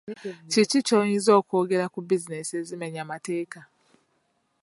Kiki ky'oyinza okwogera ku bizinensi ezimenya amateeka?